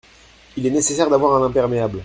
Il est nécessaire d’avoir un imperméable.